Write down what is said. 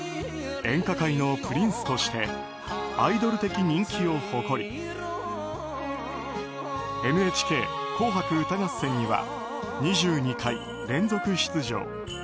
演歌界のプリンスとしてアイドル的人気を誇り「ＮＨＫ紅白歌合戦」には２２回連続出場。